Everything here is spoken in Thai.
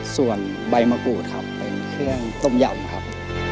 ส่วนใบมะกรูดครับเป็นเครื่องต้มยำครับ